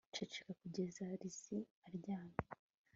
Ceceka kugeza Lizzie aryamye